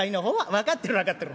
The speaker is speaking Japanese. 「分かってる分かってる。